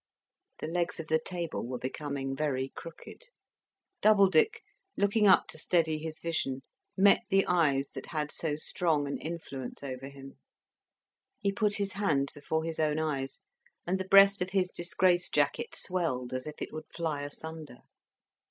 The legs of the table were becoming very crooked. Doubledick, looking up to steady his vision, met the eyes that had so strong an influence over him. He put his hand before his own eyes, and the breast of his disgrace jacket swelled as if it would fly asunder.